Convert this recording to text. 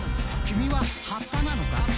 「きみは葉っぱなのか？」